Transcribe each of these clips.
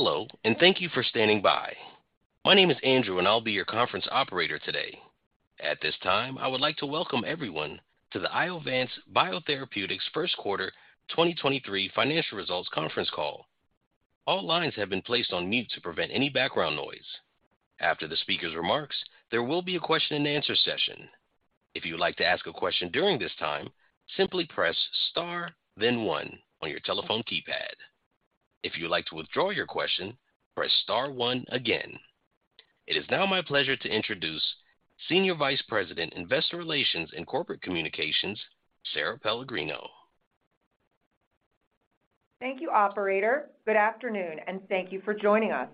Hello, thank you for standing by. My name is Andrew, and I'll be your conference operator today. At this time, I would like to welcome everyone to the Iovance Biotherapeutics First Quarter 2023 Financial Results Conference Call. All lines have been placed on mute to prevent any background noise. After the speaker's remarks, there will be a question and answer session. If you would like to ask a question during this time, simply press star then one on your telephone keypad. If you would like to withdraw your question, press star one again. It is now my pleasure to introduce Senior Vice President, Investor Relations and Corporate Communications, Sara Pellegrino. Thank you, operator. Good afternoon, and thank you for joining us.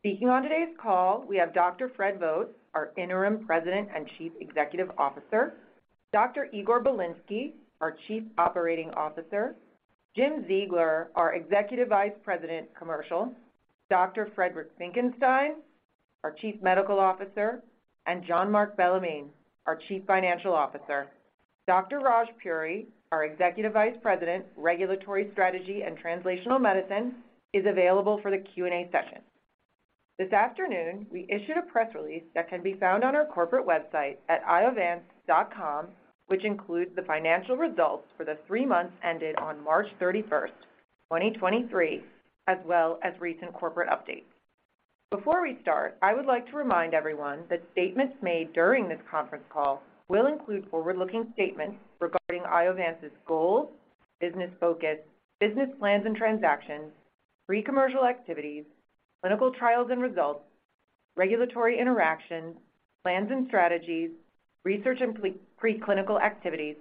Speaking on today's call, we have Dr. Fred Vogt, our Interim President and Chief Executive Officer, Dr. Igor Bilinsky, our Chief Operating Officer, Jim Ziegler, our Executive Vice President, Commercial, Dr. Friedrich Finckenstein, our Chief Medical Officer, and Jean-Marc Bellemin, our Chief Financial Officer. Dr. Raj Puri, our Executive Vice President, Regulatory Strategy and Translational Medicine, is available for the Q&A session. This afternoon, we issued a press release that can be found on our corporate website at iovance.com, which includes the financial results for the 3 months ended on March 31st, 2023, as well as recent corporate updates. Before we start, I would like to remind everyone that statements made during this conference call will include forward-looking statements regarding Iovance's goals, business focus, business plans and transactions, pre-commercial activities, clinical trials and results, regulatory interactions, plans and strategies, research and pre-clinical activities,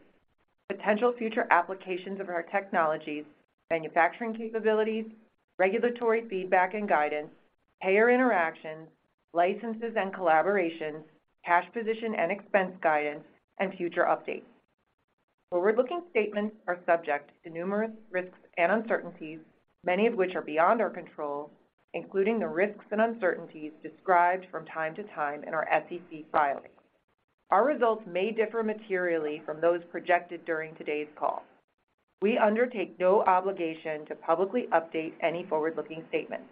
potential future applications of our technologies, manufacturing capabilities, regulatory feedback and guidance, payer interactions, licenses and collaborations, cash position and expense guidance, and future updates. Forward-looking statements are subject to numerous risks and uncertainties, many of which are beyond our control, including the risks and uncertainties described from time to time in our SEC filings. Our results may differ materially from those projected during today's call. We undertake no obligation to publicly update any forward-looking statements.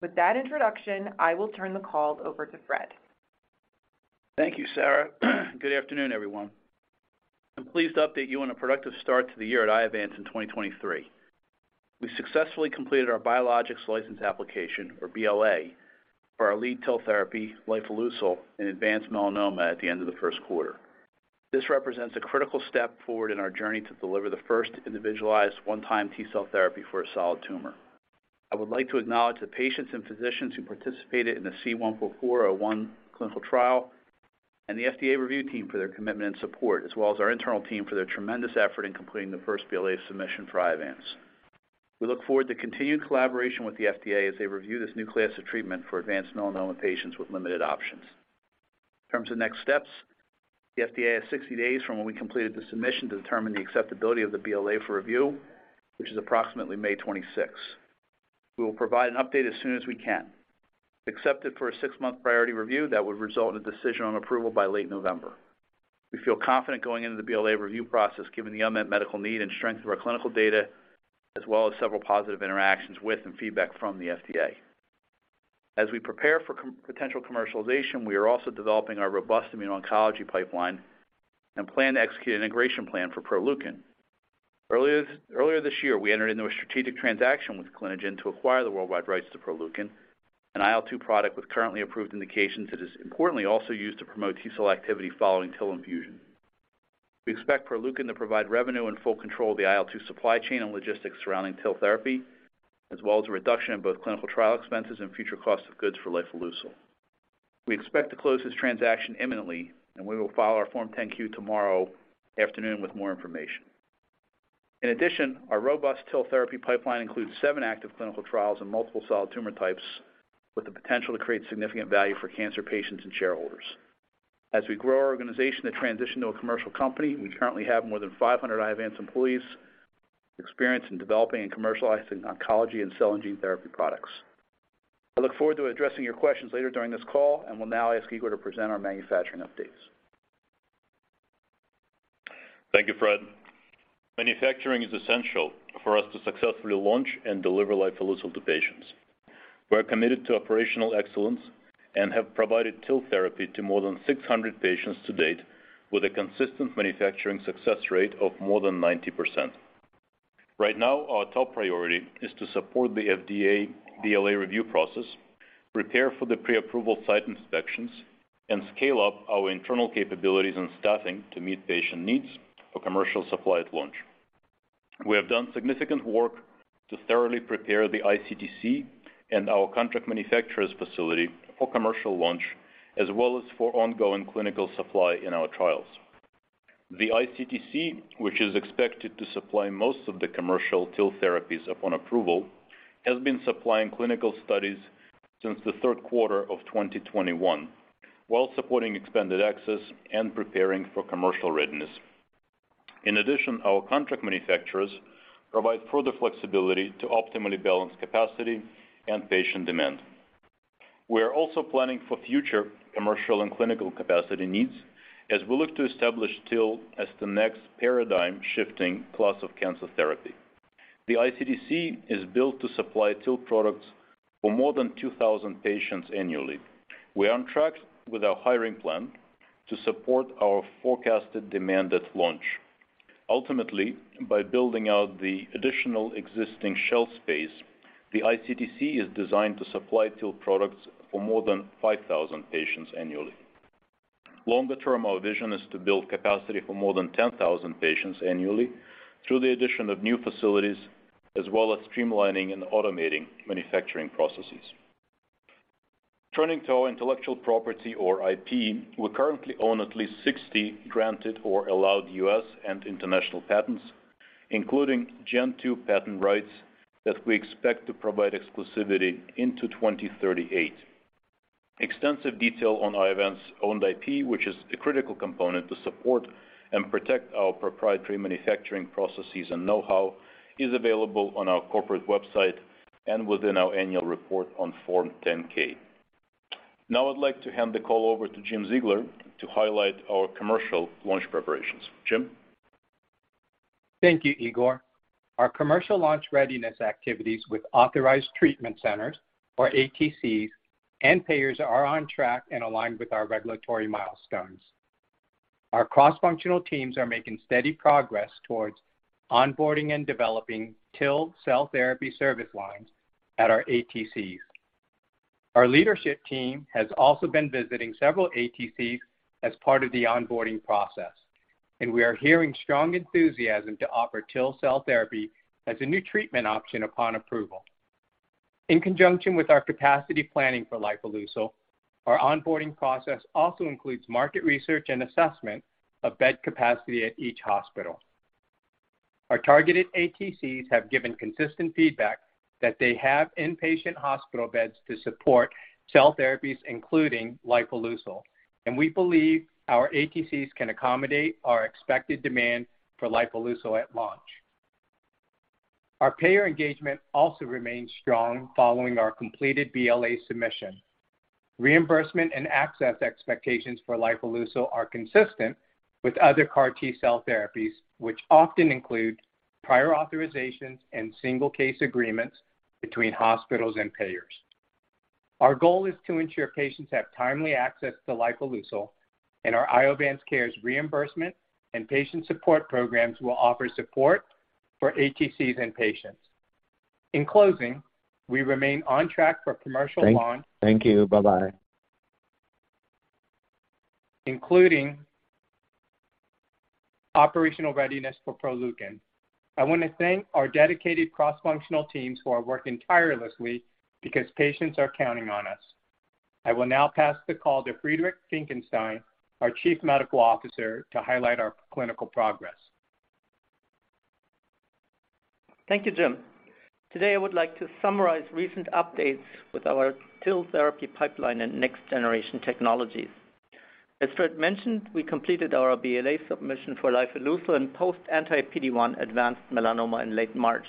With that introduction, I will turn the call over to Fred. Thank you, Sara. Good afternoon, everyone. I'm pleased to update you on a productive start to the year at Iovance in 2023. We successfully completed our Biologics License Application, or BLA, for our lead TIL therapy, lifileucel, in advanced melanoma at the end of the first quarter. This represents a critical step forward in our journey to deliver the first individualized one-time T-cell therapy for a solid tumor. I would like to acknowledge the patients and physicians who participated in the C-144-01 clinical trial and the FDA review team for their commitment and support, as well as our internal team for their tremendous effort in completing the first BLA submission for Iovance. We look forward to continued collaboration with the FDA as they review this new class of treatment for advanced melanoma patients with limited options. In terms of next steps, the FDA has 60 days from when we completed the submission to determine the acceptability of the BLA for review, which is approximately May 26. We will provide an update as soon as we can. Accepted for a 6-month priority review, that would result in a decision on approval by late November. We feel confident going into the BLA review process given the unmet medical need and strength of our clinical data, as well as several positive interactions with and feedback from the FDA. As we prepare for potential commercialization, we are also developing our robust immuno-oncology pipeline and plan to execute an integration plan for Proleukin. Earlier this year, we entered into a strategic transaction with Clinigen to acquire the worldwide rights to Proleukin, an IL-2 product with currently approved indications that is importantly also used to promote T-cell activity following TIL infusion. We expect Proleukin to provide revenue and full control of the IL-2 supply chain and logistics surrounding TIL therapy, as well as a reduction in both clinical trial expenses and future cost of goods for lifileucel. We expect to close this transaction imminently. We will file our Form 10-Q tomorrow afternoon with more information. In addition, our robust TIL therapy pipeline includes seven active clinical trials in multiple solid tumor types with the potential to create significant value for cancer patients and shareholders. As we grow our organization to transition to a commercial company, we currently have more than 500 Iovance employees experienced in developing and commercializing oncology and cell and gene therapy products. I look forward to addressing your questions later during this call and will now ask Igor to present our manufacturing updates. Thank you, Fred. Manufacturing is essential for us to successfully launch and deliver lifileucel to patients. We are committed to operational excellence and have provided TIL therapy to more than 600 patients to date with a consistent manufacturing success rate of more than 90%. Right now, our top priority is to support the FDA BLA review process, prepare for the pre-approval site inspections, and scale up our internal capabilities and staffing to meet patient needs for commercial supply at launch. We have done significant work to thoroughly prepare the iCTC and our contract manufacturer's facility for commercial launch as well as for ongoing clinical supply in our trials. The iCTC, which is expected to supply most of the commercial TIL therapies upon approval, has been supplying clinical studies since the third quarter of 2021 while supporting expanded access and preparing for commercial readiness. In addition, our contract manufacturers provide further flexibility to optimally balance capacity and patient demand. We are also planning for future commercial and clinical capacity needs as we look to establish TIL as the next paradigm-shifting class of cancer therapy. The iCTC is built to supply TIL products for more than 2,000 patients annually. We are on track with our hiring plan to support our forecasted demand at launch. Ultimately, by building out the additional existing shell space, the iCTC is designed to supply TIL products for more than 5,000 patients annually. Longer term, our vision is to build capacity for more than 10,000 patients annually through the addition of new facilities, as well as streamlining and automating manufacturing processes. Turning to our intellectual property or IP, we currently own at least 60 granted or allowed U.S. and international patents, including Gen 2 patent rights that we expect to provide exclusivity into 2038. Extensive detail on Iovance-owned IP, which is a critical component to support and protect our proprietary manufacturing processes and know-how, is available on our corporate website and within our annual report on Form 10-K. I'd like to hand the call over to Jim Ziegler to highlight our commercial launch preparations. Jim. Thank you, Igor. Our commercial launch readiness activities with authorized treatment centers, or ATCs, and payers are on track and aligned with our regulatory milestones. Our cross-functional teams are making steady progress towards onboarding and developing TIL cell therapy service lines at our ATCs. Our leadership team has also been visiting several ATCs as part of the onboarding process, and we are hearing strong enthusiasm to offer TIL cell therapy as a new treatment option upon approval. In conjunction with our capacity planning for lifileucel, our onboarding process also includes market research and assessment of bed capacity at each hospital. Our targeted ATCs have given consistent feedback that they have inpatient hospital beds to support cell therapies, including lifileucel, and we believe our ATCs can accommodate our expected demand for lifileucel at launch. Our payer engagement also remains strong following our completed BLA submission. Reimbursement and access expectations for lifileucel are consistent with other CAR T-cell therapies, which often include prior authorizations and single case agreements between hospitals and payers. Our IovanceCares reimbursement and patient support programs will offer support for ATCs and patients. In closing, we remain on track for commercial launch. Thank you. Bye-bye.... including operational readiness for Proleukin. I want to thank our dedicated cross-functional teams who are working tirelessly because patients are counting on us. I will now pass the call to Friedrich Finckenstein, our Chief Medical Officer, to highlight our clinical progress. Thank you, Jim. Today, I would like to summarize recent updates with our TIL therapy pipeline and next generation technologies. As Fred mentioned, we completed our BLA submission for lifileucel in post anti-PD-1 advanced melanoma in late March.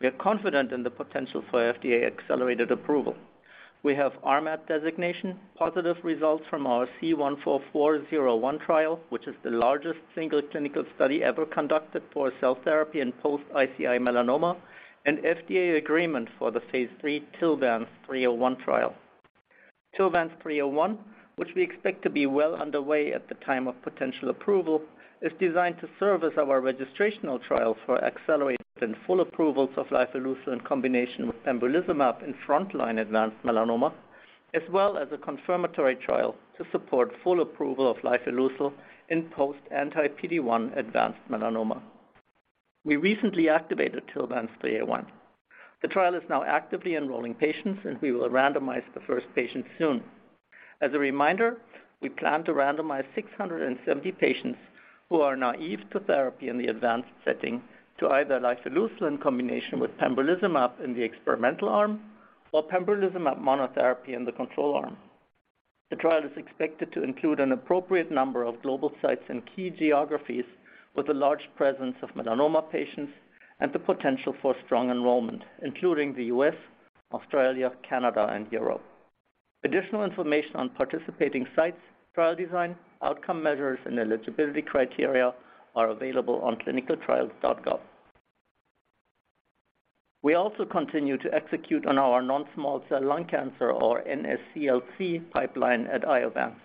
We are confident in the potential for FDA-accelerated approval. We have RMAT designation, positive results from our C-144-01 trial, which is the largest single clinical study ever conducted for cell therapy in post ICI melanoma, and FDA agreement for the phase III TILVANCE-301 trial. TILVANCE-301, which we expect to be well underway at the time of potential approval, is designed to serve as our registrational trial for accelerated and full approvals of lifileucel in combination with pembrolizumab in frontline advanced melanoma, as well as a confirmatory trial to support full approval of lifileucel in post anti-PD-1 advanced melanoma. We recently activated TILVANCE-301. The trial is now actively enrolling patients, and we will randomize the first patients soon. As a reminder, we plan to randomize 670 patients who are naive to therapy in the advanced setting to either lifileucel in combination with pembrolizumab in the experimental arm or pembrolizumab monotherapy in the control arm. The trial is expected to include an appropriate number of global sites in key geographies with a large presence of melanoma patients and the potential for strong enrollment, including the U.S., Australia, Canada, and Europe. Additional information on participating sites, trial design, outcome measures, and eligibility criteria are available on clinicaltrials.gov. We also continue to execute on our non-small cell lung cancer or NSCLC pipeline at Iovance,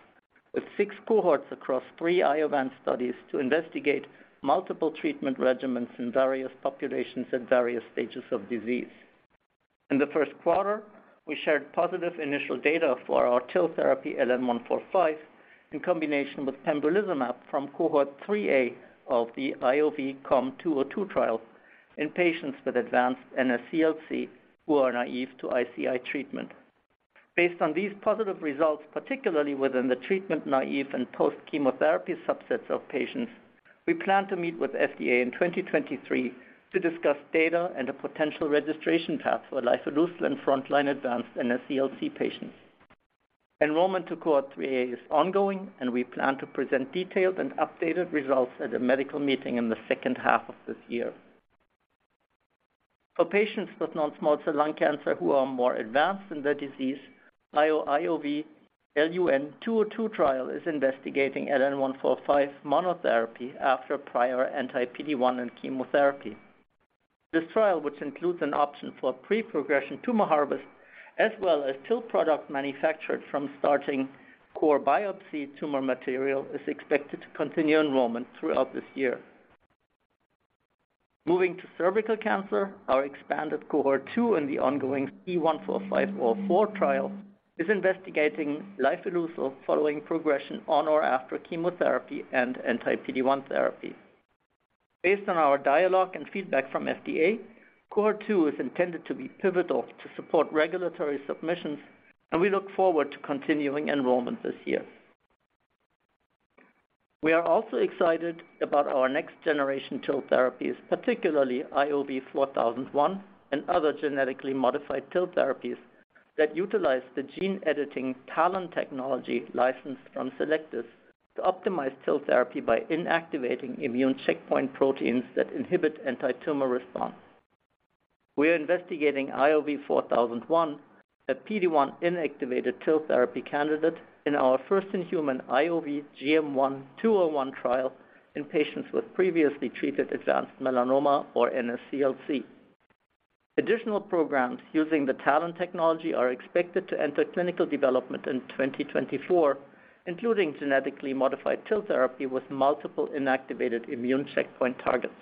with six cohorts across three Iovance studies to investigate multiple treatment regimens in various populations at various stages of disease. In the first quarter, we shared positive initial data for our TIL therapy LN-145 in combination with pembrolizumab from cohort 3A of the IOV-COM-202 trial in patients with advanced NSCLC who are naive to ICI treatment. Based on these positive results, particularly within the treatment-naive and post-chemotherapy subsets of patients, we plan to meet with FDA in 2023 to discuss data and a potential registration path for lifileucel in frontline advanced NSCLC patients. Enrollment to cohort 3A is ongoing, and we plan to present detailed and updated results at a medical meeting in the second half of this year. For patients with non-small cell lung cancer who are more advanced in their disease, our IOV-LUN-202 trial is investigating LN-145 monotherapy after prior anti-PD-1 and chemotherapy. This trial, which includes an option for pre-progression tumor harvest as well as TIL product manufactured from starting core biopsy tumor material, is expected to continue enrollment throughout this year. Moving to cervical cancer, our expanded cohort 2 in the ongoing C-145-04 trial is investigating lifileucel following progression on or after chemotherapy and anti-PD-1 therapy. Based on our dialogue and feedback from FDA, cohort 2 is intended to be pivotal to support regulatory submissions, and we look forward to continuing enrollment this year. We are also excited about our next generation TIL therapies, particularly IOV-4001 and other genetically modified TIL therapies that utilize the gene editing TALEN technology licensed from Cellectis to optimize TIL therapy by inactivating immune checkpoint proteins that inhibit antitumor response. We are investigating IOV-4001, a PD-1 inactivated TIL therapy candidate in our first-in-human IOV-GM1-201 trial in patients with previously treated advanced melanoma or NSCLC. Additional programs using the TALEN technology are expected to enter clinical development in 2024, including genetically modified TIL therapy with multiple inactivated immune checkpoint targets.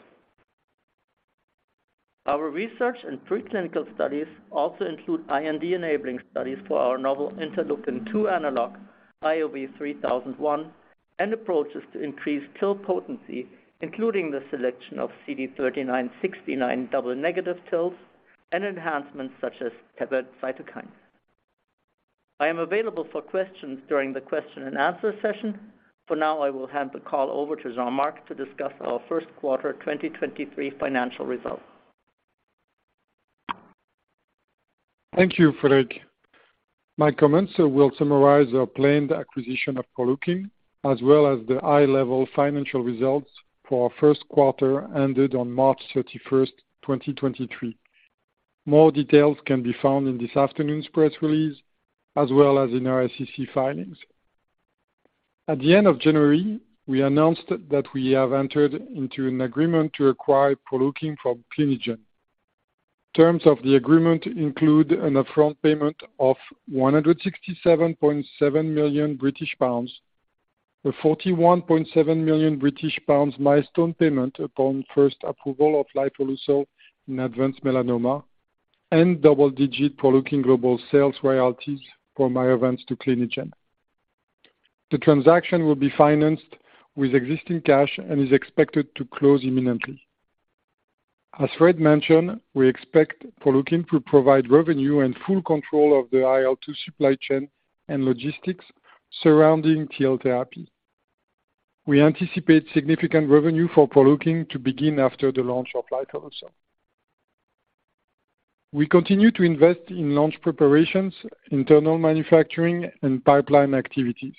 Our research and preclinical studies also include IND-enabling studies for our novel interleukin-2 analog, IOV-3001, and approaches to increase TIL potency, including the selection of CD39/CD69 double negative TILs and enhancements such as tethered cytokines. I am available for questions during the question and answer session. For now, I will hand the call over to Jean-Marc to discuss our first quarter 2023 financial results. Thank you, Fred. My comments will summarize our planned acquisition of Proleukin, as well as the high-level financial results for our first quarter ended on March thirty-first, 2023. More details can be found in this afternoon's press release, as well as in our SEC filings. At the end of January, we announced that we have entered into an agreement to acquire Proleukin from Clinigen. Terms of the agreement include an upfront payment of 167.7 million British pounds, a 41.7 million British pounds milestone payment upon first approval of lifileucel in advanced melanoma, and double-digit Proleukin global sales royalties from Iovance to Clinigen. The transaction will be financed with existing cash and is expected to close imminently. As Fred mentioned, we expect Proleukin to provide revenue and full control of the IL-2 supply chain and logistics surrounding TIL therapy. We anticipate significant revenue for Proleukin to begin after the launch of lifileucel. We continue to invest in launch preparations, internal manufacturing, and pipeline activities.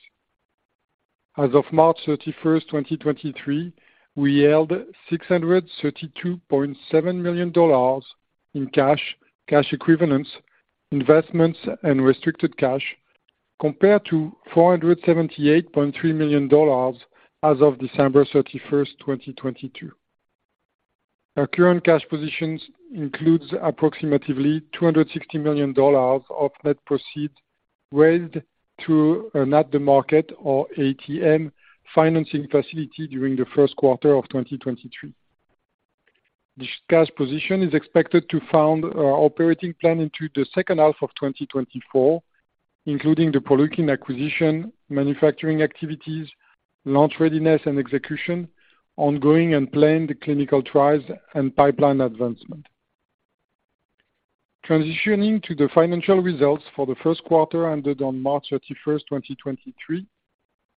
As of March 31, 2023, we held $632.7 million in cash equivalents, investments, and restricted cash compared to $478.3 million as of December 31, 2022. Our current cash positions includes approximately $260 million of net proceeds raised through an at the market or ATM financing facility during the first quarter of 2023. This cash position is expected to fund our operating plan into the second half of 2024, including the Proleukin acquisition, manufacturing activities, launch readiness and execution, ongoing and planned clinical trials and pipeline advancement. Transitioning to the financial results for the first quarter ended on March 31, 2023,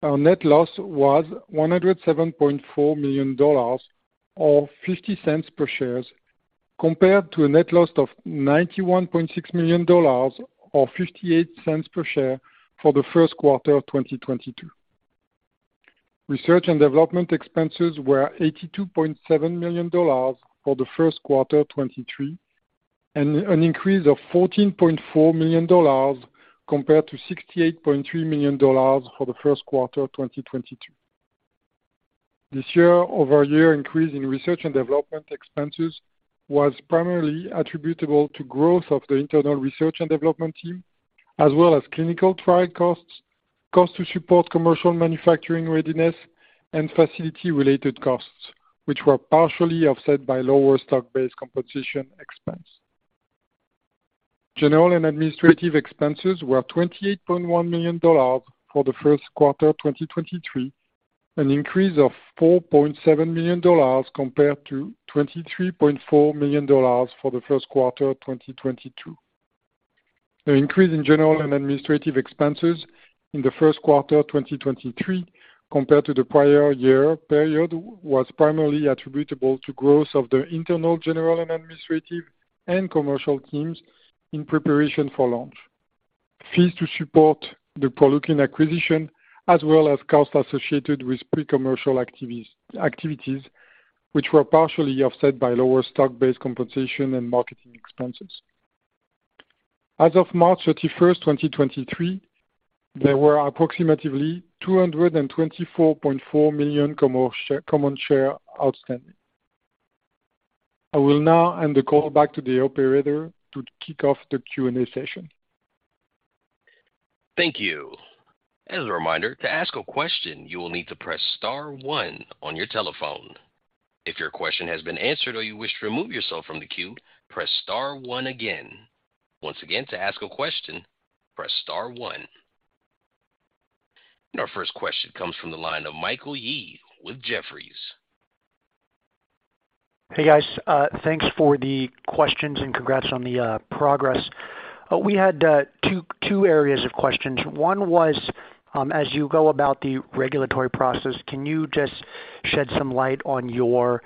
our net loss was $107.4 million, or $0.50 per share, compared to a net loss of $91.6 million, or $0.58 per share for the first quarter of 2022. Research and development expenses were $82.7 million for the first quarter of 2023, an increase of $14.4 million compared to $68.3 million for the first quarter of 2022. This year-over-year increase in research and development expenses was primarily attributable to growth of the internal research and development team, as well as clinical trial costs to support commercial manufacturing readiness, and facility-related costs, which were partially offset by lower stock-based compensation expense. General and administrative expenses were $28.1 million for the first quarter of 2023, an increase of $4.7 million compared to $23.4 million for the first quarter of 2022. The increase in general and administrative expenses in the first quarter of 2023 compared to the prior year period was primarily attributable to growth of the internal general and administrative and commercial teams in preparation for launch. Fees to support the Proleukin acquisition, as well as costs associated with pre-commercial activities, which were partially offset by lower stock-based compensation and marketing expenses. As of March 31st, 2023, there were approximately 224.4 million common share outstanding. I will now hand the call back to the operator to kick off the Q&A session. Thank you. As a reminder, to ask a question, you will need to press star one on your telephone. If your question has been answered or you wish to remove yourself from the queue, press star one again. Once again, to ask a question, press star one. Our first question comes from the line of Michael Yee with Jefferies. Hey, guys. Thanks for the questions and congrats on the progress. We had 2 areas of questions. One was, as you go about the regulatory process, can you just shed some light on your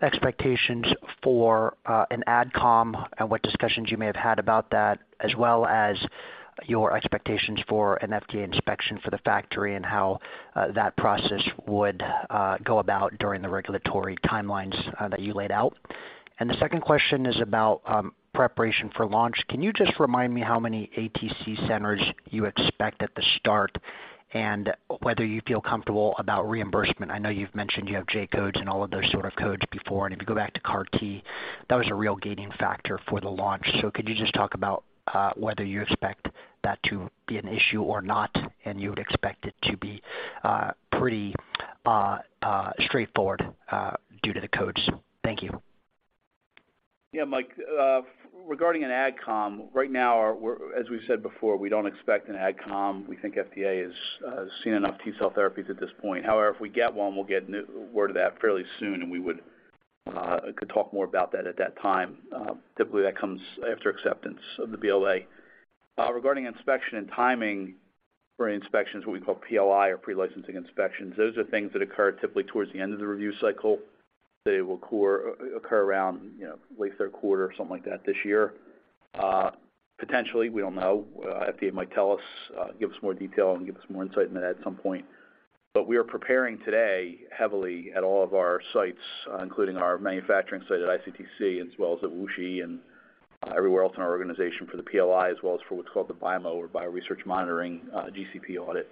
expectations for an Ad Comm and what discussions you may have had about that, as well as your expectations for an FDA inspection for the factory and how that process would go about during the regulatory timelines that you laid out? The second question is about preparation for launch. Can you just remind me how many ATC centers you expect at the start and whether you feel comfortable about reimbursement? I know you've mentioned you have J-codes and all of those sort of codes before, and if you go back to CAR T, that was a real gaining factor for the launch. Could you just talk about, whether you expect that to be an issue or not, and you would expect it to be, pretty, straightforward, due to the codes? Thank you. Yeah, Mike. Regarding an Ad Comm, right now we're, as we said before, we don't expect an Ad Comm. We think FDA has seen enough T-cell therapies at this point. However, if we get one, we'll get new word of that fairly soon, and we would could talk more about that at that time. Typically that comes after acceptance of the BLA. Regarding inspection and timing for inspections, what we call PLI or pre-licensing inspections, those are things that occur typically towards the end of the review cycle. They will occur around, you know, late third quarter or something like that this year. Potentially, we don't know. FDA might tell us, give us more detail and give us more insight in that at some point. We are preparing today heavily at all of our sites, including our manufacturing site at iCTC as well as at WuXi and everywhere else in our organization for the PLI as well as for what's called the BIMO or bioresearch monitoring, GCP audit.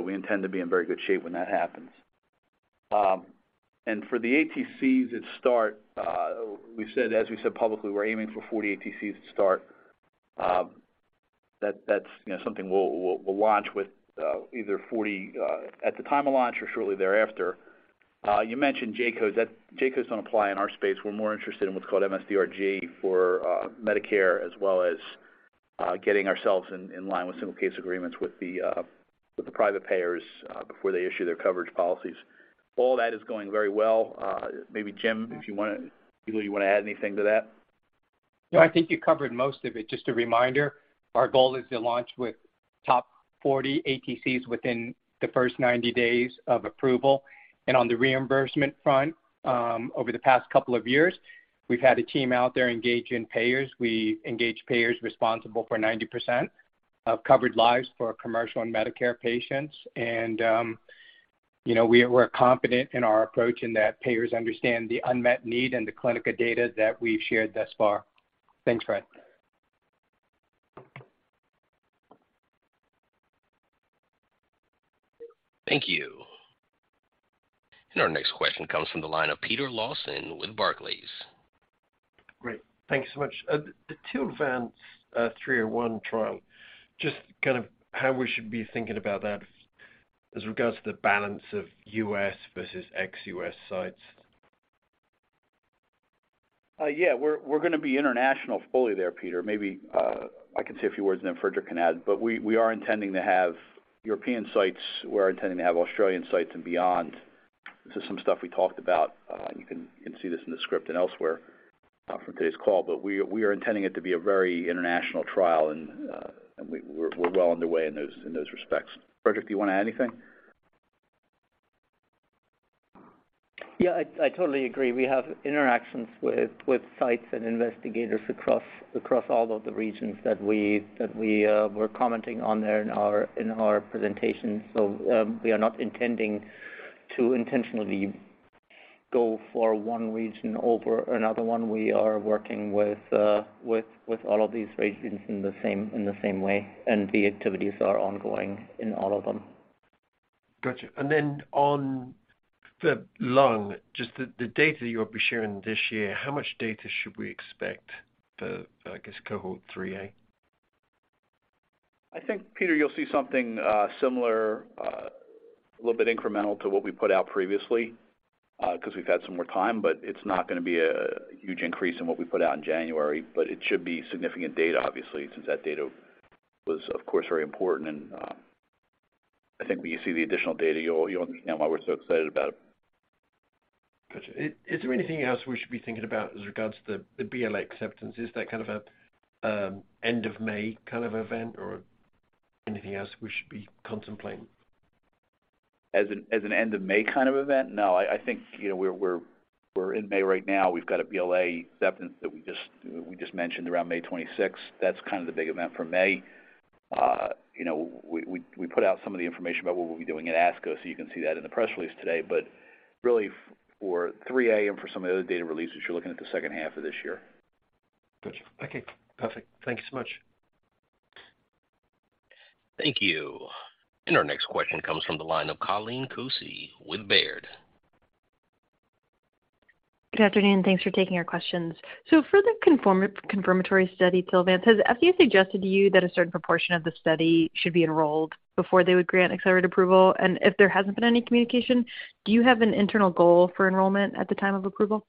We intend to be in very good shape when that happens. For the ATCs at start, we said, as we said publicly, we're aiming for 40 ATCs to start. That's, you know, something we'll launch with, either 40 at the time of launch or shortly thereafter. You mentioned J-codes. J-codes don't apply in our space. We're more interested in what's called MSDRG for Medicare, as well as getting ourselves in line with single case agreements with the private payers before they issue their coverage policies. All that is going very well. Maybe Jim, do you wanna add anything to that? No, I think you covered most of it. Just a reminder, our goal is to launch with top 40 ATCs within the first 90 days of approval. On the reimbursement front, over the past couple of years, we've had a team out there engaging payers. We engage payers responsible for 90% of covered lives for commercial and Medicare patients. You know, we're confident in our approach in that payers understand the unmet need and the clinical data that we've shared thus far. Thanks, Fred. Thank you. Our next question comes from the line of Peter Lawson with Barclays. Great. Thank you so much. The TILVANCE-301 trial, just kind of how we should be thinking about that as regards to the balance of U.S. versus ex-U.S. sites. Yeah, we're gonna be international fully there, Peter. Maybe, I can say a few words, and then Frederick can add, but we are intending to have European sites. We're intending to have Australian sites and beyond. This is some stuff we talked about. You can see this in the script and elsewhere from today's call. We are intending it to be a very international trial and we're well underway in those respects. Frederick, do you wanna add anything? Yeah. I totally agree. We have interactions with sites and investigators across all of the regions that we were commenting on there in our presentation. We are not intending to intentionally go for one region over another one. We are working with all of these regions in the same way, the activities are ongoing in all of them. Got you. On the lung, just the data you'll be sharing this year, how much data should we expect for, I guess, cohort 3A? I think, Peter, you'll see something similar, a little bit incremental to what we put out previously, 'cause we've had some more time, but it's not gonna be a huge increase in what we put out in January. It should be significant data, obviously, since that data was, of course, very important. I think when you see the additional data, you'll understand why we're so excited about it. Got you. Is there anything else we should be thinking about as regards to the BLA acceptance? Is that kind of a end of May kind of event or anything else we should be contemplating? As an end of May kind of event? No, I think, you know, we're in May right now. We've got a BLA acceptance that we just mentioned around May 26. That's kind of the big event for May. You know, we put out some of the information about what we'll be doing at ASCO, so you can see that in the press release today. Really for 3A and for some of the other data releases, you're looking at the second half of this year. Got you. Okay, perfect. Thank you so much. Thank you. Our next question comes from the line of Colleen Kusy with Baird. Good afternoon, and thanks for taking our questions. For the confirmatory study, TILVANCE, has FDA suggested to you that a certain proportion of the study should be enrolled before they would grant accelerated approval? If there hasn't been any communication, do you have an internal goal for enrollment at the time of approval?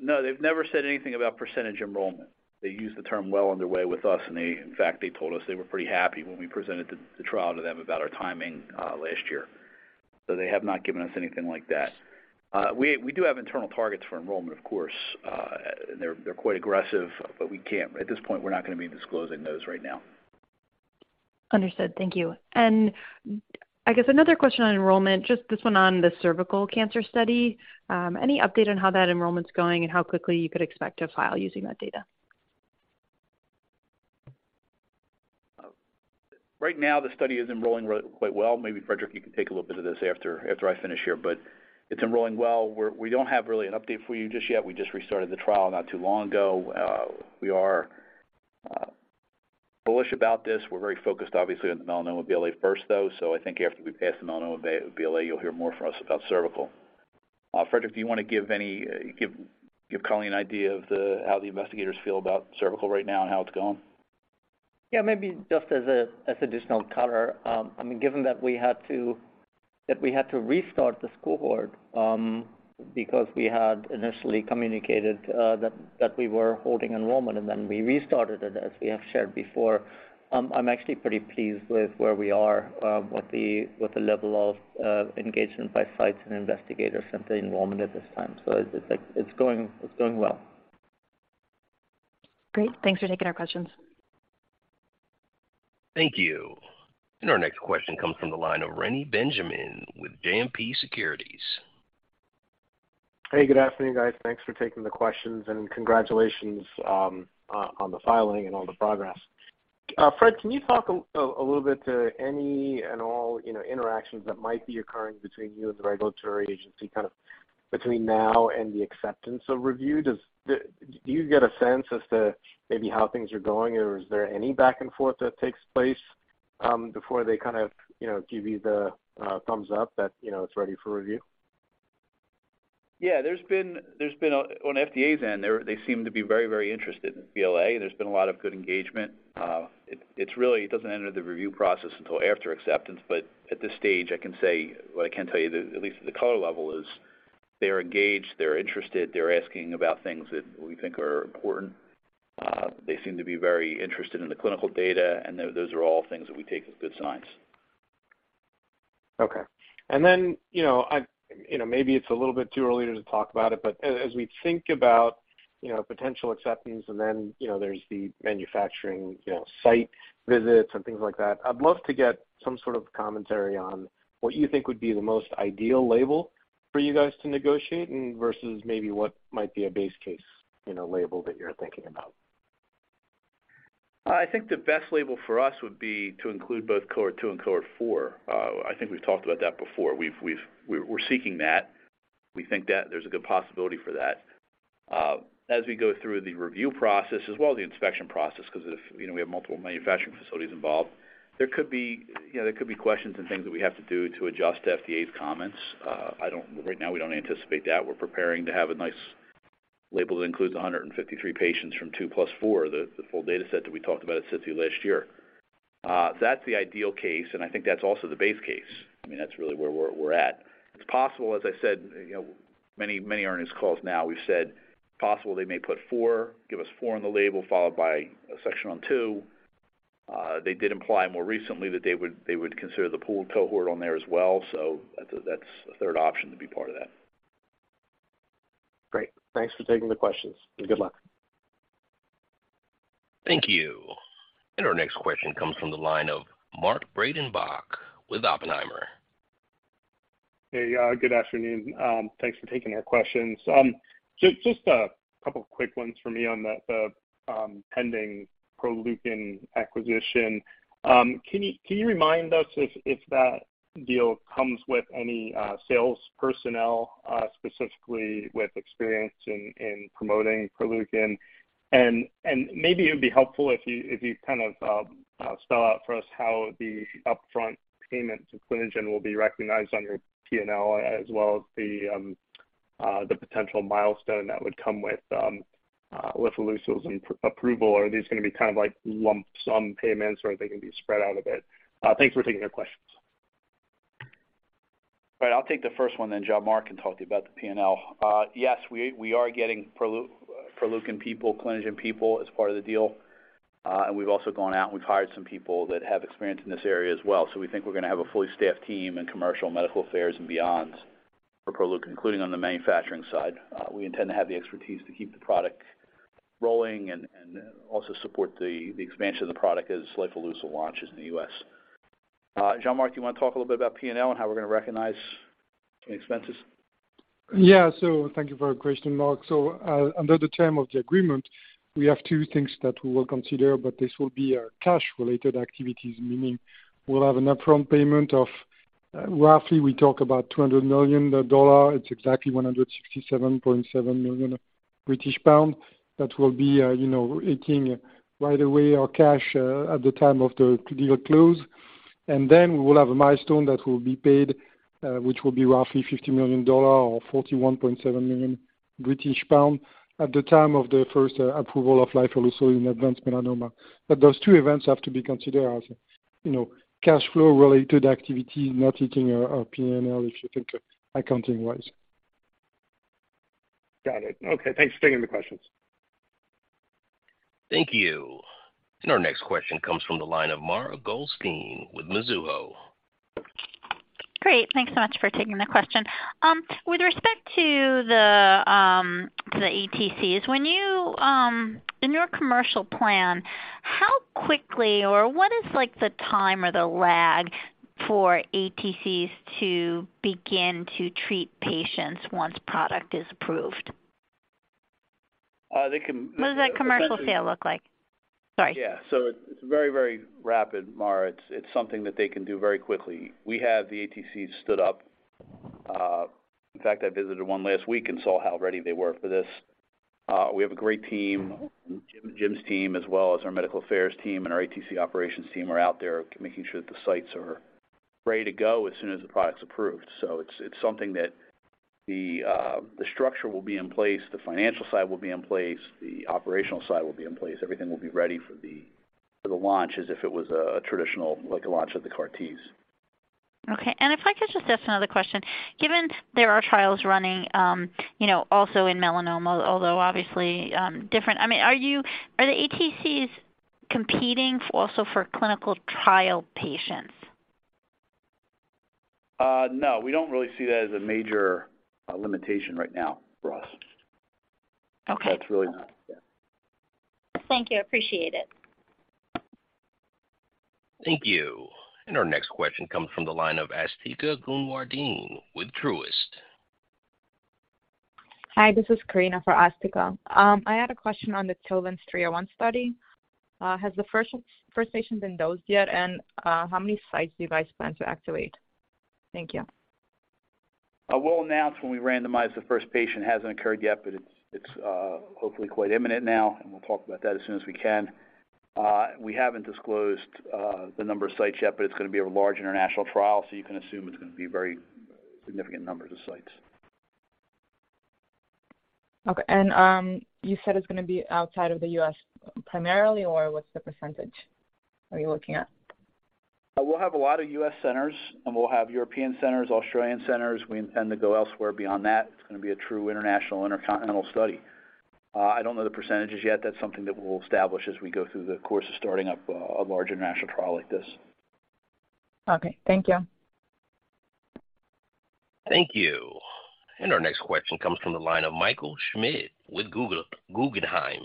No, they've never said anything about % enrollment. They use the term well underway with us, and they, in fact, they told us they were pretty happy when we presented the trial to them about our timing last year. They have not given us anything like that. We do have internal targets for enrollment, of course. And they're quite aggressive, but at this point, we're not gonna be disclosing those right now. Understood. Thank you. I guess another question on enrollment, just this one on the cervical cancer study. Any update on how that enrollment's going and how quickly you could expect to file using that data? Right now, the study is enrolling quite well. Maybe, Friedrich, you can take a little bit of this after I finish here. It's enrolling well. We don't have really an update for you just yet. We just restarted the trial not too long ago. We are bullish about this. We're very focused, obviously, on the melanoma BLA first, though. I think after we pass the melanoma BLA, you'll hear more from us about cervical. Friedrich, do you wanna give Colleen an idea of how the investigators feel about cervical right now and how it's going? Yeah, maybe just as additional color, I mean, given that we had to restart the school board, because we had initially communicated that we were holding enrollment, and then we restarted it, as we have shared before, I'm actually pretty pleased with where we are, with the level of engagement by sites and investigators from the enrollment at this time. It's like, it's going well. Great. Thanks for taking our questions. Thank you. Our next question comes from the line of Reni Benjamin with JMP Securities. Hey, good afternoon, guys. Thanks for taking the questions, and congratulations on the filing and all the progress. Fred, can you talk a little bit to any and all, you know, interactions that might be occurring between you and the regulatory agency, kind of between now and the acceptance of review? Do you get a sense as to maybe how things are going, or is there any back and forth that takes place before they kind of, you know, give you the thumbs up that, you know, it's ready for review? Yeah. On FDA's end, they seem to be very interested in BLA. There's been a lot of good engagement. It doesn't enter the review process until after acceptance, but at this stage, I can say, what I can tell you that at least at the color level is they're engaged, they're interested, they're asking about things that we think are important. They seem to be very interested in the clinical data. Those are all things that we take as good signs. Okay. Then, you know, I've, you know, maybe it's a little bit too early to talk about it, but as we think about, you know, potential acceptance and then, you know, there's the manufacturing, you know, site visits and things like that, I'd love to get some sort of commentary on what you think would be the most ideal label for you guys to negotiate and versus maybe what might be a base case, you know, label that you're thinking about. I think the best label for us would be to include both cohort 2 and cohort 4. I think we've talked about that before. We're seeking that. We think that there's a good possibility for that. As we go through the review process as well as the inspection process, 'cause if, you know, we have multiple manufacturing facilities involved, there could be, you know, there could be questions and things that we have to do to adjust FDA's comments. Right now, we don't anticipate that. We're preparing to have a nice label that includes 153 patients from 2 plus 4, the full data set that we talked about at SITC last year. That's the ideal case, and I think that's also the base case. I mean, that's really where we're at. It's possible, as I said, you know, many, many earnings calls now, we've said possible they may put four, give us four on the label, followed by a section on two. They did imply more recently that they would consider the pooled cohort on there as well. That's a third option to be part of that. Great. Thanks for taking the questions. Good luck. Thank you. Our next question comes from the line of Mark Breidenbach with Oppenheimer. Good afternoon. Thanks for taking our questions. Just a couple of quick ones for me on the pending Proleukin acquisition. Can you remind us if that deal comes with any sales personnel specifically with experience in promoting Proleukin? Maybe it'd be helpful if you kind of spell out for us how the upfront payment to Clinigen will be recognized on your P&L as well as the potential milestone that would come with lifileucel's approval. Are these gonna be kind of like lump sum payments, or are they gonna be spread out a bit? Thanks for taking our questions. I'll take the first one, then Jean-Marc can talk to you about the P&L. Yes, we are getting Proluquin people, Clinigen people as part of the deal. We've also gone out and we've hired some people that have experience in this area as well. We think we're gonna have a fully staffed team in commercial and medical affairs and beyond for Proluquin, including on the manufacturing side. We intend to have the expertise to keep the product rolling and also support the expansion of the product as lifileucel launches in the U.S. Jean-Marc, you wanna talk a little bit about P&L and how we're gonna recognize any expenses? Thank you for your question, Mark. Under the term of the agreement, we have two things that we will consider, but this will be our cash-related activities, meaning we'll have an upfront payment of roughly we talk about $200 million, it's exactly 167.7 million British pounds. That will be, you know, hitting right away our cash at the time of the deal close. Then we will have a milestone that will be paid, which will be roughly $50 million or 41.7 million British pound at the time of the first approval of Lifileucel in advanced melanoma. Those two events have to be considered as, you know, cash flow-related activity, not hitting our P&L, if you think accounting-wise. Got it. Okay, thanks for taking the questions. Thank you. Our next question comes from the line of Mara Goldstein with Mizuho. Great. Thanks so much for taking the question. With respect to the, to the ATCs, when you, in your commercial plan, how quickly or what is like the time or the lag for ATCs to begin to treat patients once product is approved? They can... What does that commercial sale look like? Yeah. Sorry. It's very, very rapid, Mara. It's something that they can do very quickly. We have the ATCs stood up. In fact, I visited one last week and saw how ready they were for this. We have a great team. Jim's team as well as our medical affairs team and our ATC operations team are out there making sure that the sites are ready to go as soon as the product's approved. It's something that the structure will be in place, the financial side will be in place, the operational side will be in place. Everything will be ready for the, for the launch as if it was a traditional like a launch of the CAR Ts. Okay. If I could just ask another question. Given there are trials running, you know, also in melanoma, although obviously, different, I mean, are the ATCs competing also for clinical trial patients? No, we don't really see that as a major limitation right now for us. Okay. That's really not, yeah. Thank you. I appreciate it. Thank you. Our next question comes from the line of Asthika Goonewardene with Truist. Hi, this is Karina for Asthika. I had a question on the TILVANCE-301 study. Has the first patient been dosed yet? How many sites do you guys plan to activate? Thank you. I will announce when we randomize the first patient. It hasn't occurred yet, but it's hopefully quite imminent now, and we'll talk about that as soon as we can. We haven't disclosed the number of sites yet, but it's gonna be a large international trial, so you can assume it's gonna be very significant numbers of sites. Okay. You said it's gonna be outside of the U.S. primarily, or what's the percentage are you looking at? We'll have a lot of U.S. centers, we'll have European centers, Australian centers. We intend to go elsewhere beyond that. It's gonna be a true international, intercontinental study. I don't know the percentages yet. That's something that we'll establish as we go through the course of starting up a large international trial like this. Okay, thank you. Thank you. Our next question comes from the line of Michael Schmidt with Guggenheim.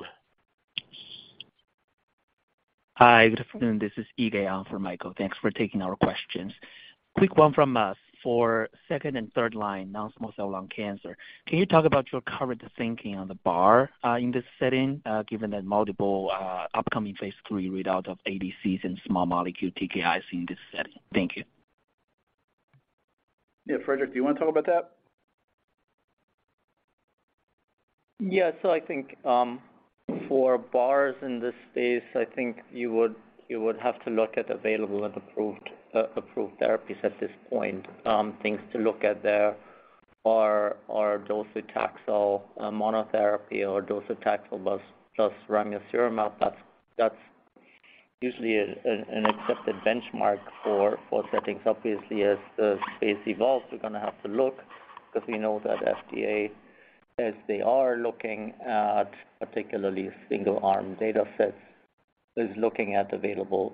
Hi. Good afternoon. This is [Ige on for Michael. Thanks for taking our questions. Quick one from us. For second and third line non-small cell lung cancer, can you talk about your current thinking on the bar in this setting, given that multiple upcoming phase III readout of ADCs and small molecule TKIs in this setting? Thank you. Yeah. Friedrich, do you wanna talk about that? I think for bars in this space, I think you would have to look at available and approved therapies at this point. Things to look at there are docetaxel monotherapy or docetaxel plus ramucirumab. That's usually an accepted benchmark for settings. Obviously, as the space evolves, we're gonna have to look because we know that FDA, as they are looking at particularly single-arm data sets, is looking at available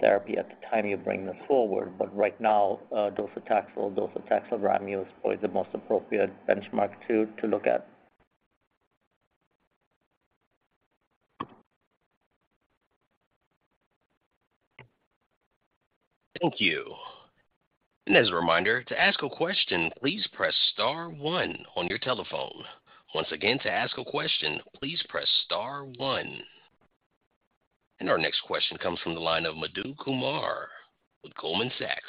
therapy at the time you bring this forward. Right now, docetaxel or docetaxel ramu is probably the most appropriate benchmark to look at. Thank you. As a reminder, to ask a question, please press star one on your telephone. Once again, to ask a question, please press star one. Our next question comes from the line of Madhu Kumar with Goldman Sachs.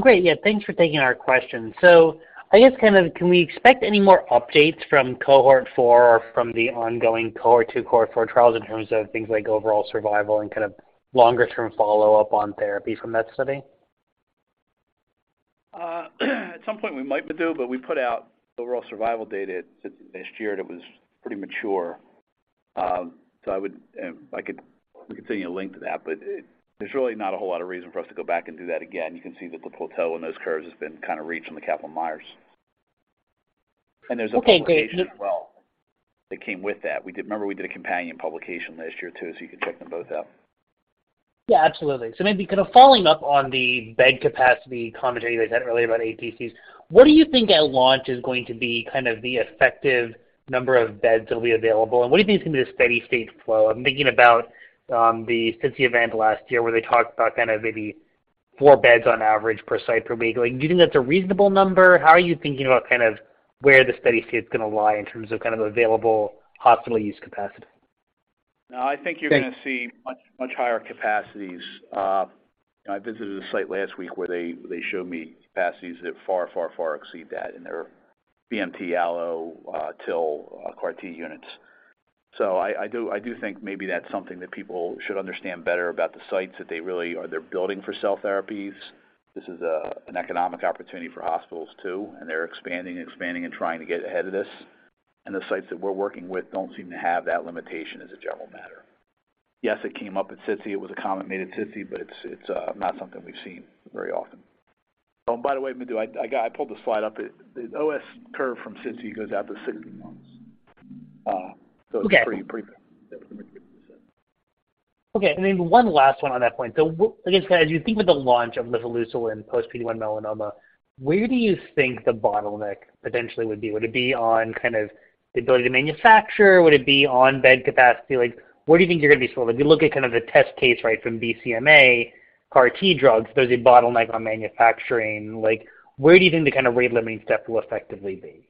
Great. Thanks for taking our question. I guess kind of can we expect any more updates from cohort 4 or from the ongoing cohort 2, cohort 4 trials in terms of things like overall survival and kind of longer term follow up on therapy from that study? At some point we might Madhu, but we put out the overall survival data this year, that was pretty mature. We could send you a link to that, but there's really not a whole lot of reason for us to go back and do that again. You can see that the plateau in those curves has been kind of reached on the Kaplan-Meier. Okay, great. There's a publication as well that came with that. Remember we did a companion publication last year too, so you can check them both out. Absolutely. Maybe kind of following up on the bed capacity commentary that you had earlier about ATCs, what do you think at launch is going to be kind of the effective number of beds that'll be available, and what do you think is gonna be the steady-state flow? I'm thinking about the SITC event last year where they talked about kind of maybe four beds on average per site per week. Like, do you think that's a reasonable number? How are you thinking about kind of where the steady state's gonna lie in terms of kind of available hospital use capacity? No, I think you're gonna see much, much higher capacities. I visited a site last week where they showed me capacities that far exceed that in their BMT allo, TIL, CAR T units. I do think maybe that's something that people should understand better about the sites that they really are. They're building for cell therapies. This is an economic opportunity for hospitals too, and they're expanding and trying to get ahead of this. The sites that we're working with don't seem to have that limitation as a general matter. Yes, it came up at SITC. It was a comment made at SITC, but it's not something we've seen very often. Oh, by the way, Madhu, I got. I pulled the slide up. It, the OS curve from SITC goes out to 60 months. It's pretty good, like Madhu said. Okay. One last one on that point. I guess, as you think with the launch of lifileucel in post-PD-1 melanoma, where do you think the bottleneck potentially would be? Would it be on kind of the ability to manufacture? Would it be on bed capacity? Like, where do you think you're gonna be slowed? If you look at kind of the test case, right, from BCMA, CAR-T drugs, there's a bottleneck on manufacturing. Like, where do you think the kind of rate limiting step will effectively be?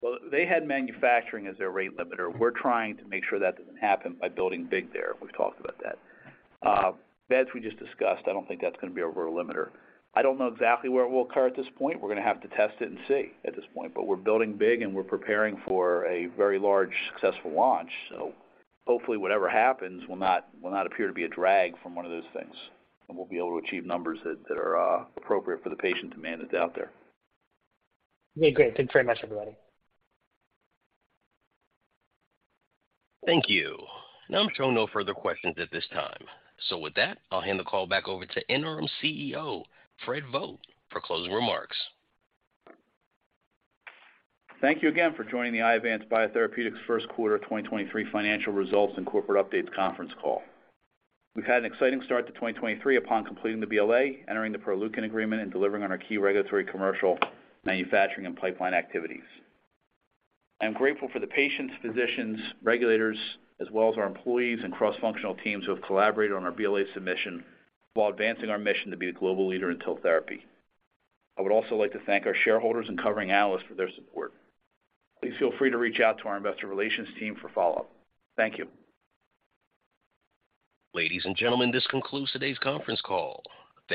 Well, they had manufacturing as their rate limiter. We're trying to make sure that doesn't happen by building big there. We've talked about that. Beds we just discussed. I don't think that's gonna be a real limiter. I don't know exactly where it will occur at this point. We're gonna have to test it and see at this point, but we're building big and we're preparing for a very large successful launch. Hopefully whatever happens will not appear to be a drag from one of those things, and we'll be able to achieve numbers that are appropriate for the patient demand that's out there. Okay, great. Thanks very much, everybody. Thank you. Now I'm showing no further questions at this time. With that, I'll hand the call back over to Interim CEO Fred Vogt for closing remarks. Thank you again for joining the Iovance Biotherapeutics First Quarter 2023 Financial Results and Corporate Updates Conference Call. We've had an exciting start to 2023 upon completing the BLA, entering the Proleukin agreement, and delivering on our key regulatory commercial manufacturing and pipeline activities. I am grateful for the patients, physicians, regulators, as well as our employees and cross-functional teams who have collaborated on our BLA submission while advancing our mission to be a global leader in TIL therapy. I would also like to thank our shareholders and covering analysts for their support. Please feel free to reach out to our investor relations team for follow up. Thank you. Ladies and gentlemen, this concludes today's conference call. Thank you.